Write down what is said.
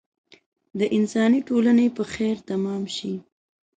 د انساني ټولنې په خیر تمام شي.